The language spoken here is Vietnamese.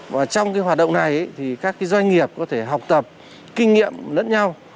và trong cái hoạt động này thì các doanh nghiệp có thể học tập kinh nghiệm lẫn nhau